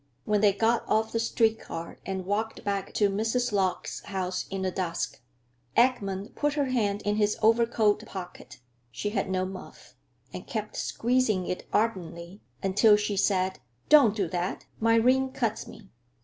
When they got off the street car and walked back to Mrs. Lorch's house in the dusk, Eckman put her hand in his overcoat pocket—she had no muff—and kept squeezing it ardently until she said, "Don't do that; my ring cuts me."